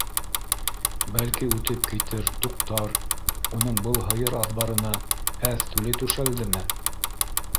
«Бәлки, үтеп китер, туҡтар, уның был һыйыр аҙбарына әҙ түле түшәлдеме?»